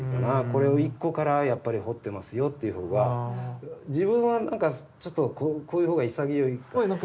これを一個からやっぱり彫ってますよっていう方が自分はなんかちょっとこういう方が潔いから。